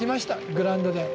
グラウンドで。